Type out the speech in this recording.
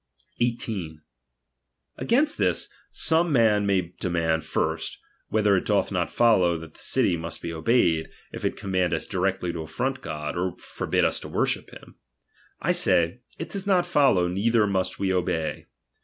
CpMain .loiiiiu 18, Against this, some man may demand, first, whether it doth not follow that the city must be obeyed, if it command us directly to affront God, or forbid us to worship him ? I say, it does not follow, neither must we obey.